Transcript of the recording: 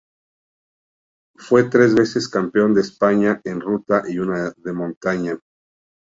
Fue tres veces campeón de España en ruta y una de montaña.